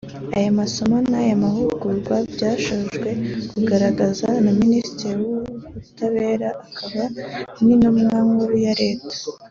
Ayo masomo n’ayo mahugurwa byashojwe ku mugaragaro na Minisitiri w’Ubutabera akaba n’Intumwa Nkuru ya Leta